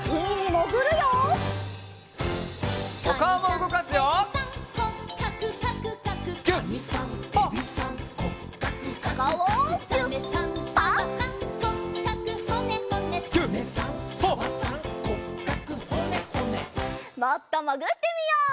もっともぐってみよう。